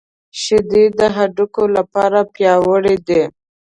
شیدې د هډوکو لپاره پياوړې دي